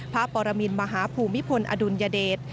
ปรมินมหาภูมิพลอดุลยเดช